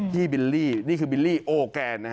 บิลลี่นี่คือบิลลี่โอแกนนะฮะ